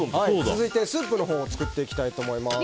続いてスープのほうを作っていきたいと思います。